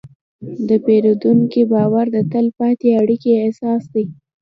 د پیرودونکي باور د تل پاتې اړیکې اساس دی.